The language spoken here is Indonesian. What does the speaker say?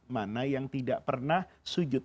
mana yang tidak pernah sujud